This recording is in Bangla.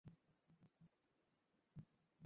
তাহার মা কাঁদিতে লাগিলেন।